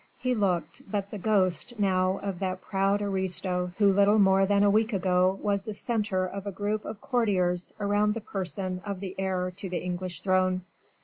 He looked but the ghost now of that proud aristocrat who little more than a week ago was the centre of a group of courtiers round the person of the heir to the English throne.